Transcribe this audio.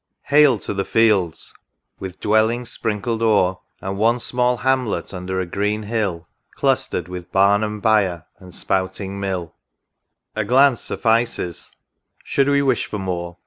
Hail to the fields — with Dwellings sprinkled o'er. And one small Hamlet, under a green hill, Clustered with barn and byer, and spouting mill ! A glance suffices, — should we wish for more.